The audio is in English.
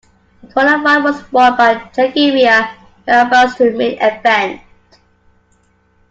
The qualifying was won by Jackie Rea who advanced to the main event.